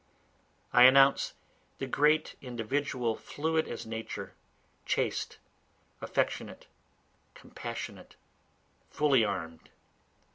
I announce the great individual, fluid as Nature, chaste, affectionate, compassionate, fully arm'd.